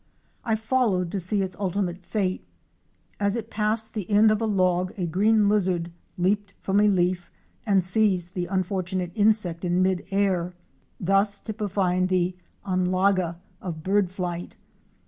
I followed to see its ultimate fate. As it passed the end of a log a green lizard leaped from a leaf and seized the unfortunate insect in mid air, thus typifying the anlaga of bird flight.